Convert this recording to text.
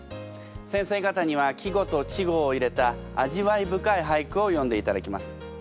先生方には季語と稚語を入れた味わい深い俳句を詠んでいただきます。